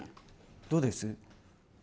どうです？